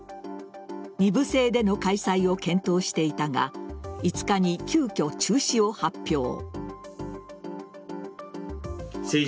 ２部制での開催を検討していたが５日に急きょ、中止を発表。